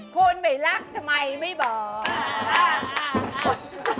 คนไม่รักทำไมไม่บอก